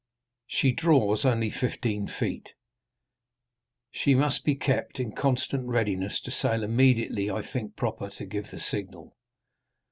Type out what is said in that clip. She draws only fifteen feet. She must be kept in constant readiness to sail immediately I think proper to give the signal.